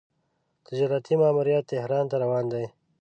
تجارتي ماموریت تهران ته روان دی.